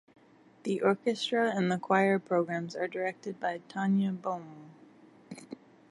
The orchestra and the choir programs are directed by Tanya Boehme.